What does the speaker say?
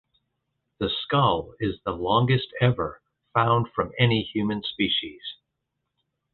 The skull is the longest ever found from any human species.